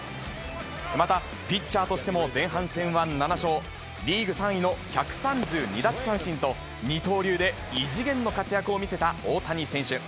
またピッチャーとしても前半戦は７勝、リーグ３位の１３２奪三振と、二刀流で異次元の活躍を見せた大谷選手。